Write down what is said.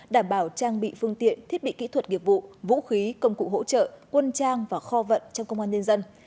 đảm bảo trang bị phương tiện thiết bị kỹ thuật nghiệp vụ vũ khí công cụ hỗ trợ quân trang và kho vận trong công an nhân dân